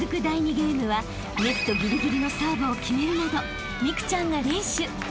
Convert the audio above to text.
ゲームはネットぎりぎりのサーブを決めるなど美空ちゃんが連取］